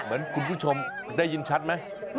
เหมือนคุณผู้ชมได้ยินชัดไหม